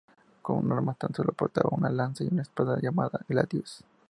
Como armas tan sólo portaba una lanza y una espada llamada "gladius".